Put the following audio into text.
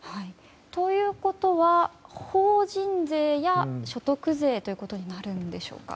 ということは法人税や所得税ということになるんでしょうか。